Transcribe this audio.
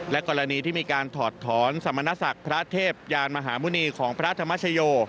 กรณีที่มีการถอดถอนสมณศักดิ์พระเทพยานมหาหมุณีของพระธรรมชโย